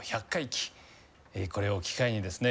これを機会にですね